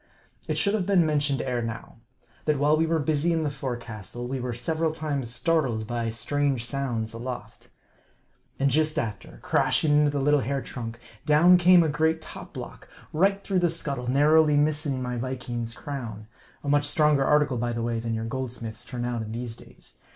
It should have been mentioned ere now, that while we were busy in the forecastle, we were several times startled by strange sounds aloft. And just after, crashing into the little hair trunk, down came a great top block, right through the scuttle, narrowly missing my Viking's crown ; a much stronger article, by the way, than your goldsmiths turn out in these days.